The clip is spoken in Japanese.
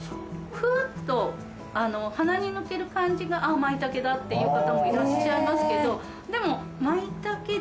ふっと鼻に抜ける感じがまいたけだっていう方もいらっしゃいますけど。